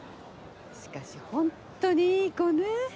しかしほんとにいい子ね。